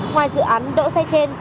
ngoài dự án đỗ xe trên